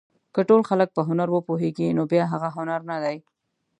که ټول خلک په هنر وپوهېږي نو بیا هغه هنر نه دی.